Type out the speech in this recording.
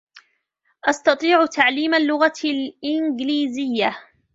أستطيع تعليم اللغة الإنجليزية.